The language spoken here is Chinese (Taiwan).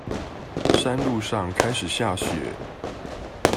山路上開始下雪